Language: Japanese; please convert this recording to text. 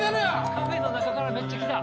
カフェの中からめっちゃ来た。